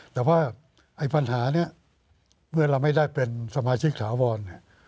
แต่ว่าไอ้ปัญหานี้เมื่อเราไม่ได้เป็นสมาชิกถาวรเนี่ย